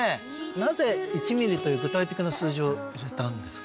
なぜ１ｍｍという具体的な数字を入れたんですか？